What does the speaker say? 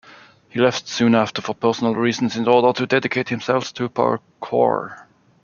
He left soon after for personal reasons in order to dedicate himself to parkour.